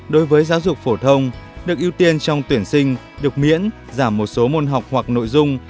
đối với giáo dục phổ thông được ưu tiên trong tuyển sinh được miễn giảm một số môn học hoặc nội dung